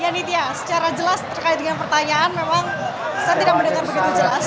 ya nitya secara jelas terkait dengan pertanyaan memang saya tidak mendengar begitu jelas